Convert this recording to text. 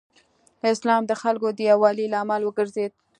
اسلام د خلکو د یووالي لامل وګرځېد.